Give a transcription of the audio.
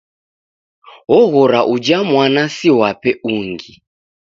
Oghora uja mwana siwape ungi.